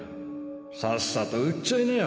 さっさと売っちゃいなよ